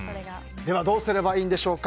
どうすればいいんでしょうか。